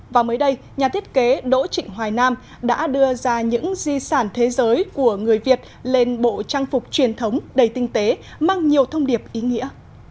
và mới đây nhà thiết kế đỗ trịnh hoài nam đã đưa ra những di sản thế giới của người việt lên bộ trang phục truyền thống đầy tinh tế mang nhiều thông điệp ý nghĩa